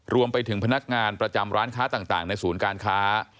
รวมไปถึงพนักงานประจำร้านค้าต่างในศูนย์การค้า